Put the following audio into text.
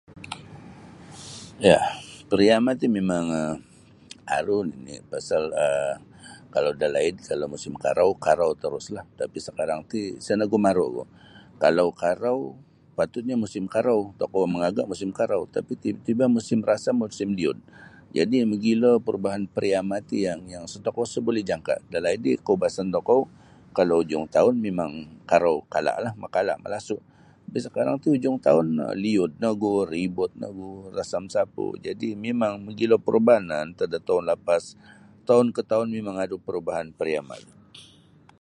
Ya pariama' ti mimang um aru nini kalau dalaid aru musim karau karau teruslah tapi sekarang ti isa nogu maru' ogu kalau karau patutnyo musim karau tokou mangagak musim karau tapi tiba-tiba musim rasam musim liud jadi mogilo perubahan pariama' ti yang yang sa tokou sa buli jangka' dalaid ri kaubasan tokou kalau ujung taun mimang karau kala' lah makala' malasu' tapi sekarang ti ujung taun liud nogu ribut nogu rasam sapu jadi mimang mogilo perubahanlah antad da toun lapas toun ko toun mimang aru perubahan pariama' ti.